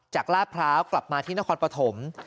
ลาดพร้าวกลับมาที่นครปฐม